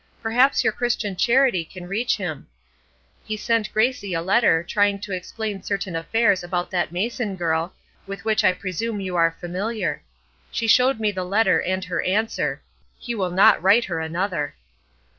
Perhaps your Christian charity can reach him. He sent Gracie a letter, trying to explain certain affairs about that Mason girl, with which I presume you are familiar. She showed me the letter and her answer. He will not write her another!